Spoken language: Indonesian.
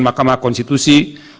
makamah konstitusi dua puluh sembilan